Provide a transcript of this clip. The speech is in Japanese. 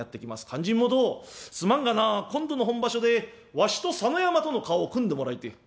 「勧進元すまんがな今度の本場所でわしと佐野山との顔を組んでもらいてえ」。